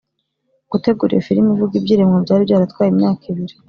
Gutegura iyo Fi limi ivuga iby’irema byari byaratwaye imyaka ibiri